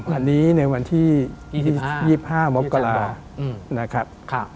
อันนี้ในวันที่๒๕มกรานะครับ